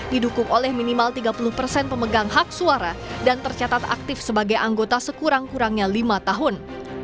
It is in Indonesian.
didukung oleh minimal tiga puluh persen pemegang hak suara dan tercatat aktif sebagai anggota sekurang kurangnya lima tahun